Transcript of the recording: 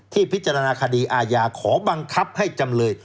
พิจารณาคดีอาญาขอบังคับให้จำเลย